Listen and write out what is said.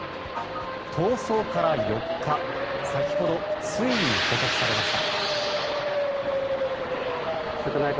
逃走から４日先ほどついに捕獲されました。